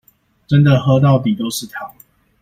真的喝到底都是糖